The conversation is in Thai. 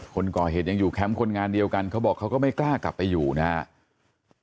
คนก่อเหตุยังอยู่แคมป์คนงานเดียวกันเขาบอกเขาก็ไม่กล้ากลับไปอยู่นะครับ